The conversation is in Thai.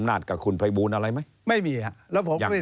นี่นี่นี่นี่นี่